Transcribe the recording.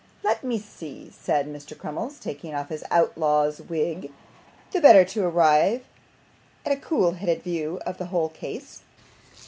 'Let me see,' said Mr. Crummles, taking off his outlaw's wig, the better to arrive at a cool headed view of the whole case.